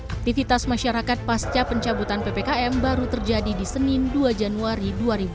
aktivitas masyarakat pasca pencabutan ppkm baru terjadi di senin dua januari dua ribu dua puluh